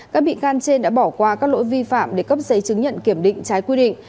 các bị can trên đã bỏ qua các lỗi vi phạm để cấp giấy chứng nhận kiểm định trái quy định